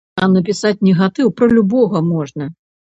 А напісаць негатыў пра любога можна.